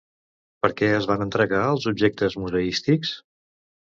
Per què es van entregar els objectes museístics?